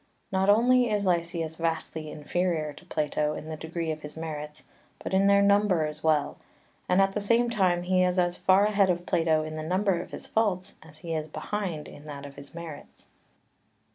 Not only is Lysias vastly inferior to Plato in the degree of his merits, but in their number as well; and at the same time he is as far ahead of Plato in the number of his faults as he is behind in that of his merits.